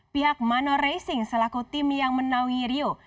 pihak manor racing selaku tim yang menawi rio